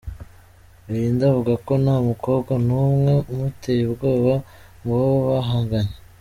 Belinda avuga ko nta mukobwa n'umwe umuteye ubwoba mu bo bahanganye.